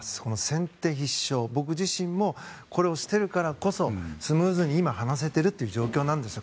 先手必勝、僕自身もこれをしてるからこそスムーズに今、話せている状況なんですよ。